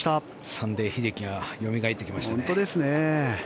サンデー英樹がよみがえってきましたね。